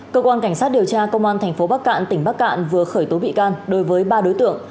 cơ quan cảnh sát điều tra công an tp bắc cạn tỉnh bắc cạn vừa khởi tố bị can đối với ba đối tượng